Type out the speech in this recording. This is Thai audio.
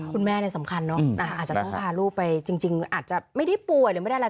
คุณแม่เนี่ยสำคัญเนอะอาจจะต้องพาลูกไปจริงอาจจะไม่ได้ป่วยหรือไม่ได้อะไร